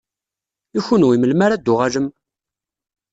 I kenwi, melmi ara d-tuɣalem?